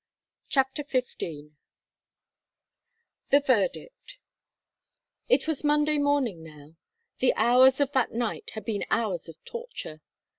CHAPTER XV THE VERDICT It was Monday morning now. The hours of that night had been hours of torture.